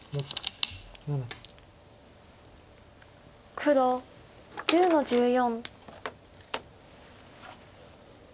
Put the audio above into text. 黒１０の十四。